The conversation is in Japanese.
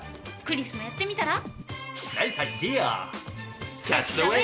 クリスもやってみたら？